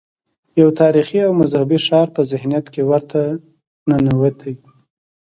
د یو تاریخي او مذهبي ښار په ذهنیت کې ورته ننوتي.